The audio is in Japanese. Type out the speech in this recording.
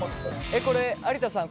これ有田さん